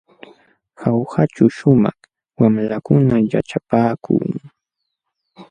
Jaujaćhu shumaq wamlakunam yaćhapaakun.